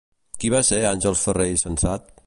Qui va ser Àngels Ferrer i Sensat?